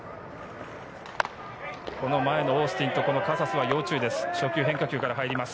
前のオースティンとカサスは要注意です。